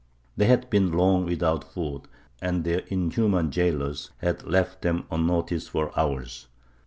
They had been long without food, and their inhuman jailers had left them unnoticed for hours.